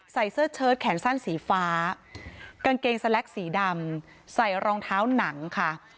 เสื้อเชิดแขนสั้นสีฟ้ากางเกงสแล็กสีดำใส่รองเท้าหนังค่ะ